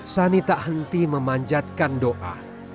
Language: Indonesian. sani tak henti memanjatkan doa